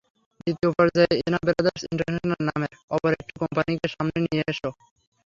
দ্বিতীয় পর্যায়ে এনা brothers international নামের অপর একটি কোম্পানিকে সামনে নিয়ে আসে।